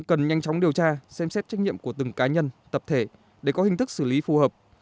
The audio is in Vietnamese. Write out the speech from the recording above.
các cơ quan chức năng cần nhanh chóng điều tra xem xét trách nhiệm của từng cá nhân tập thể để có hình thức xử lý phù hợp